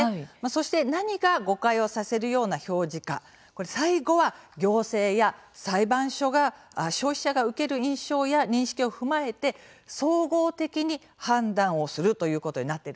そして、何が誤解をさせるような表示か最後は、行政や裁判所が消費者が受ける印象や認識を踏まえて、総合的に判断をするということになっているんですね。